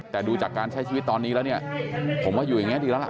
แต่ดูจากการใช้ชีวิตตอนนี้แล้วเนี่ยผมว่าอยู่อย่างนี้ดีแล้วล่ะ